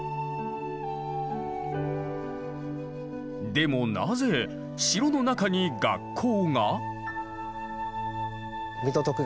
でもなぜ城の中に学校が？